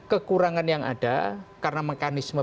kekurangan yang ada karena mekanisme